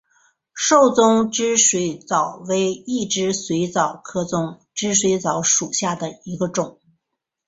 瘦中肢水蚤为异肢水蚤科中肢水蚤属下的一个种。